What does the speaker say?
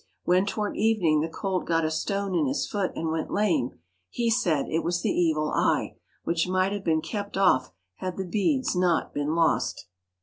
When toward evening the colt got a stone in his foot and went lame, he said it was the evil eye, which might have been kept off had the beads not been lost.